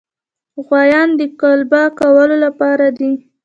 غوایان د قلبه کولو لپاره دي.